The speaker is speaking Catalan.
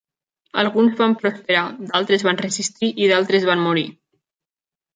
Alguns van prosperar, d'altres van resistir i d'altres van morir.